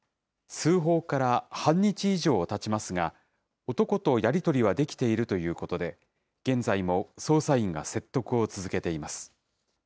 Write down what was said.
通報から半日以上たちますが、男とやり取りはできているということで、現在も捜査員が説得を続けています。